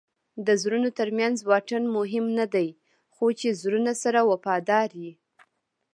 د زړونو ترمنځ واټن مهم نه دئ؛ خو چي زړونه سره وفادار يي.